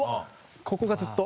ここがずっと。